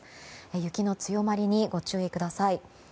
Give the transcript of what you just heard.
雪の強まりにご注意ください。